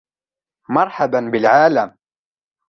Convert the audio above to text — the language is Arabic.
مرحبًا بالعالم!